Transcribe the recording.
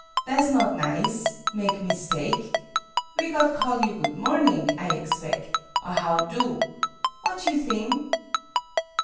Tha' 's not nize, mak' mis take. We got call you good morning, I egspeg, or how do ? What you thing?"